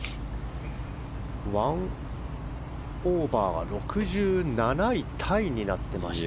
１オーバーは６７位タイになっています。